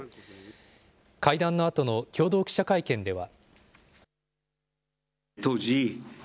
会談のあとの共同記者会見では。